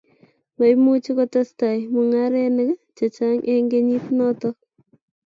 maimuch kotestai mung'arenik che chang' eng' kenyit noto